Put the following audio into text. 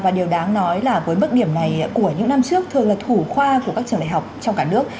và điều đáng nói là với mức điểm này của những năm trước thường là thủ khoa của các trường đại học trong cả nước